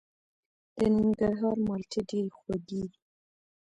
د ننګرهار مالټې ډیرې خوږې دي.